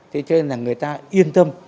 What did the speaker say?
thế cho nên là người ta yên tâm